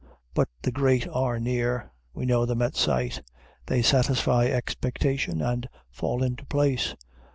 But the great are near; we know them at sight. They satisfy expectation, and fall into place.